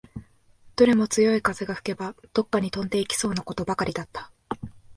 どれも強い風が吹けば、どっかに飛んでいきそうなことばかりだった